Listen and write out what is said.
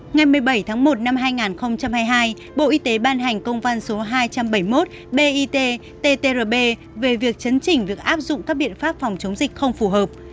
ngày một mươi bảy tháng một năm hai nghìn hai mươi hai bộ y tế ban hành công văn số hai trăm bảy mươi một bit ttrb về việc chấn chỉnh việc áp dụng các biện pháp phòng chống dịch không phù hợp